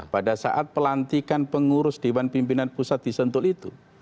pada saat pelantikan pengurus dewan pimpinan pusat di sentul itu